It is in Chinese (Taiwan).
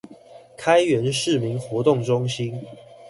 開元市民活動中心